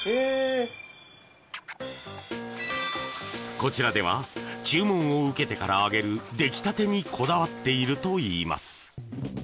こちらでは注文を受けてから揚げる出来たてにこだわっているといいます。